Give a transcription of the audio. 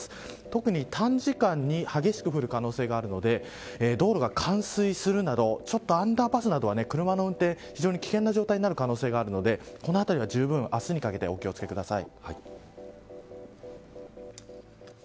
特に短時間に激しく降る可能性があるので道路が冠水するなどちょっとアンダーパスなどは車の運転が危険になる可能性があるのでこのあたりは明日にかけて注意してください。